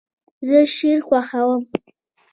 زه شین خوښوم